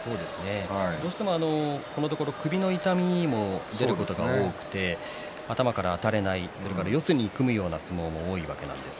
どうしても、このところ首の痛みも出ることが多くて頭からあたれないそれから四つに組むような相撲も多いわけですが。